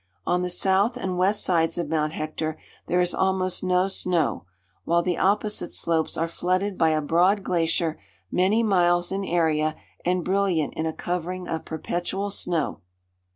On the south and west sides of Mount Hector there is almost no snow, while the opposite slopes are flooded by a broad glacier many miles in area, and brilliant in a covering of perpetual snow.